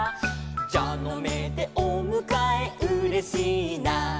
「じゃのめでおむかえうれしいな」